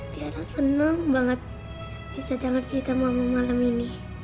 tiara senang banget bisa denger cerita mama malam ini